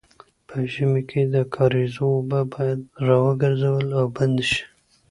په ژمي کې د کاریزو اوبه باید راوګرځول او بندې شي.